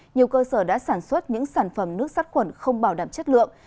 nhiều cơ sở đã sản xuất những sản phẩm nước sát khuẩn không bảo đảm chất lượng